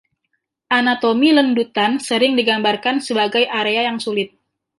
Anatomi lendutan sering digambarkan sebagai area yang sulit.